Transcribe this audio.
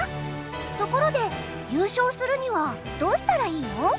ところで優勝するにはどうしたらいいの？